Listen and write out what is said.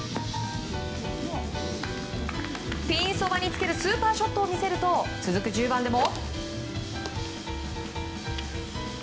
ピンそばにつけるスーパーショットを見せると続く１０番でも。